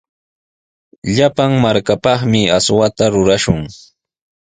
Llapan markapaqmi aswata rurashun.